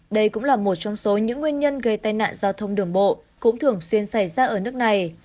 đây cũng là một trong số những nguyên nhân gây tai nạn giao thông đường bộ cũng thường xuyên xảy ra ở nước này